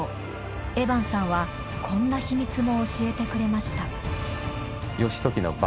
エバンさんはこんな秘密も教えてくれました。